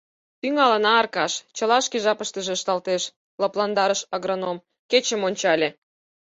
— Тӱҥалына, Аркаш, чыла шке жапыштыже ышталтеш, — лыпландарыш агроном, кечым ончале.